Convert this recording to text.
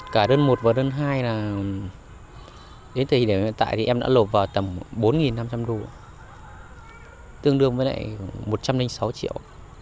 cả đơn một và đơn hai đến thời điểm hiện tại thì em đã lộp vào tầm bốn năm trăm linh đô tương đương với lại một trăm linh sáu triệu